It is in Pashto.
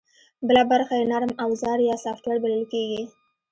بله برخه یې نرم اوزار یا سافټویر بلل کېږي